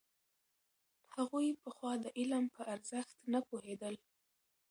هغوی پخوا د علم په ارزښت نه پوهېدل.